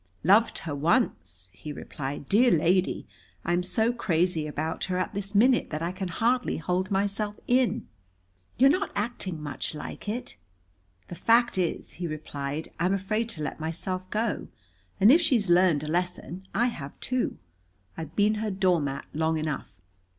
"Loved her once!" he replied. "Dear lady, I'm so crazy about her at this minute that I can hardly hold myself in." "You are not acting much like it." "The fact is," he replied, "I'm afraid to let myself go. And if she's learned a lesson, I have too. I've been her doormat long enough.